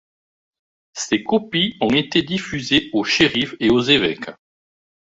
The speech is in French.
Ces copies ont été diffusées aux shérifs et aux évêques.